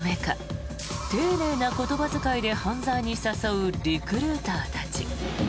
怖がらせないためか丁寧な言葉遣いで犯罪に誘うリクルーターたち。